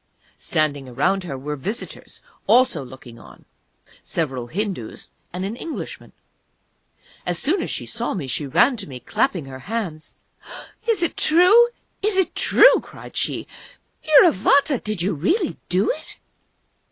Standing around her were visitors, also looking on several Hindus and an Englishman. As soon as she saw me she ran to me, clapping her hands. "Is it true? Is it true?" cried she. "_Iravata, did you really do it?